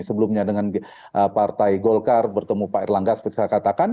sebelumnya dengan partai golkar bertemu pak erlangga seperti saya katakan